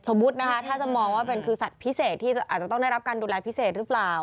นะคะถ้าจะมองว่าเป็นคือสัตว์พิเศษที่อาจจะต้องได้รับการดูแลพิเศษหรือเปล่า